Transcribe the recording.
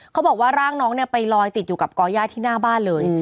เขาบอกว่าร่างน้องเนี่ยไปลอยติดอยู่กับก่อย่าที่หน้าบ้านเลย